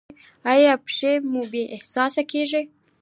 ایا پښې مو بې حسه کیږي؟